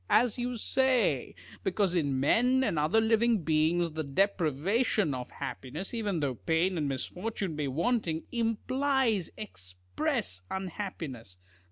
As you say: because in men and other living beings, the deprivation of happiness, even though pain and misfortune be wanting, implies express unhappiness.